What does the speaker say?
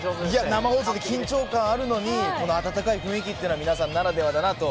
生放送で緊張感あるのに、この温かい雰囲気っていうのは皆さんならではだなと。